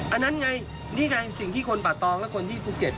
อันนั้นไงนี่ไงสิ่งที่คนป่าตองและคนที่ภูเก็ต